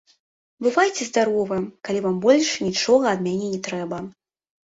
Бывайце здаровы, калі вам больш нічога ад мяне не трэба.